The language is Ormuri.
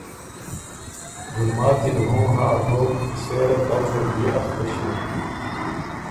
ګلماتی ل هُوں هاں دوک، سېره کر زر بيې اختۀ ݭیوک